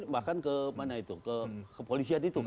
bahkan ke polisian itu